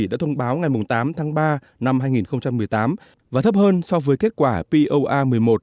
đã thông báo ngày tám tháng ba năm hai nghìn một mươi tám và thấp hơn so với kết quả poa một mươi một